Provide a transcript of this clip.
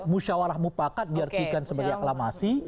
musyawarah mufakat diartikan sebagai aklamasi